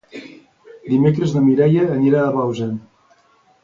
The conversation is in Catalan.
Dimecres na Mireia anirà a Bausen.